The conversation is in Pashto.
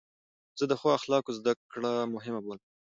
زه د ښو اخلاقو زدکړه مهمه بولم.